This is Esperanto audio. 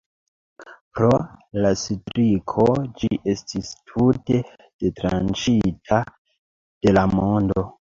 Pro la striko ĝi estis tute detranĉita de la mondo.